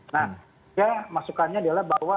nah ya masukannya adalah bahwa